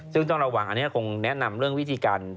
ซึ่งต้องระวังอันนี้คงแนะนำเรื่องวิธีการ